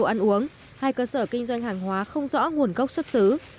một mươi một vụ ăn uống hai cơ sở kinh doanh hàng hóa không rõ nguồn gốc xuất xứ